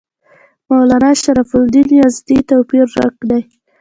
مولنا شرف الدین یزدي توپیر ورک دی.